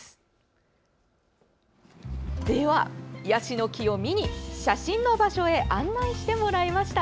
では、ヤシの木を見に写真の場所へ案内してもらいました。